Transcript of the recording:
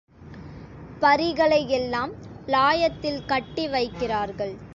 பரிகளை எல்லாம் லாயத்தில் கட்டி வைக்கிறார்கள்.